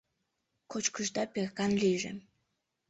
Кочкышда перкан лийже.